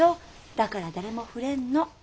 だから誰も触れんの。